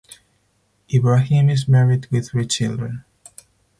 Ibrahim is married with three children.